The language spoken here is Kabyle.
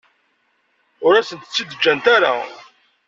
Ur asent-tt-id-ǧǧant ara.